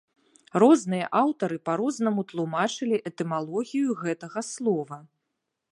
Розныя аўтары па рознаму тлумачылі этымалогію гэтага слова.